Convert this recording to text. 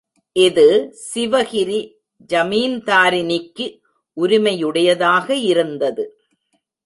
இது சிவகிரி ஜமீன்தாரினிக்கு உரிமையுடையதாக இருந்தது.